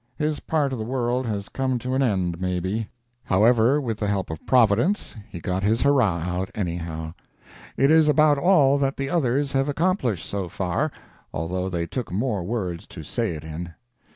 His part of the world has come to an end maybe. However, with the help of Providence, he got his hurrah out, anyhow. It is about all that the others have accomplished, so far, although they took more words to say it in.